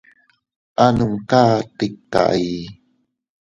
A numka tika ii.